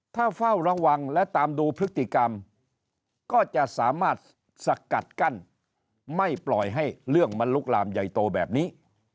ถ้าเฝ้าระวังและตามดูพฤติกรรมก็จะสามารถสกัดกั้นไม่ปล่อยให้เรื่องมันลุกลามใหญ่โตแบบนี้